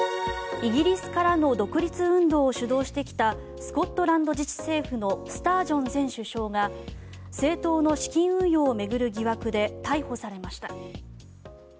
イギリスからの独立運動を主導してきたスコットランド自治政府のスタージョン前首相が政党の資金運用を巡る疑惑で逮捕されました。